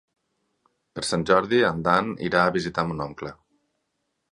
Per Sant Jordi en Dan irà a visitar mon oncle.